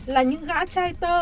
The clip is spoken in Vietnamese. là những gã trai tơ